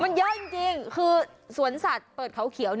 มันเยอะจริงคือสวนสัตว์เปิดเขาเขียว